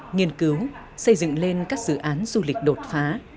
nghiên cứu xây dựng lên các dự án du lịch đột phá